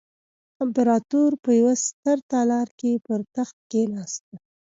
امپراتور په یوه ستر تالار کې پر تخت کېناسته.